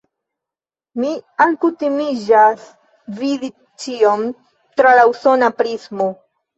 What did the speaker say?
Mi alkutimiĝas vidi ĉion tra la usona prismo.